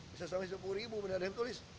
bisa sampai sepuluh ribu benar ada yang tulis